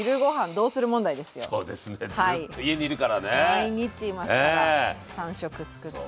毎日いますから３食つくって。